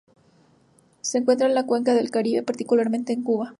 Se encuentra en la cuenca del Caribe, particularmente en Cuba.